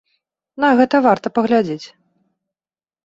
На гэта варта паглядзець.